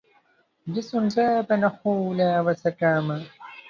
جسد ذاب نحولا وسقاما